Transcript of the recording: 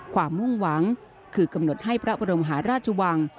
มุ่งหวังคือกำหนดให้พระบรมหาราชวัง